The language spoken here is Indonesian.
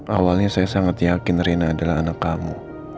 awalnya saya sangat yakin rina adalah anak kamu